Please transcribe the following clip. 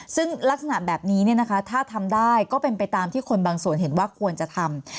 ซึ่งลักษณะแบบนี้ถ้าทำได้ก็เป็นไปตามที่คนบางส่วนเห็นว่าควรจะทำ